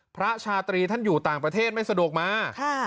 พระชาตรีท่านอยู่ต่างประเทศไม่สะดวกมา